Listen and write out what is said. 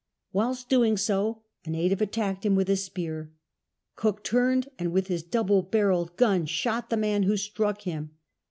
Whilst doing so a native attacked him with a speiir. Cook turned and with liis double barrelled gun shot the man who struck him.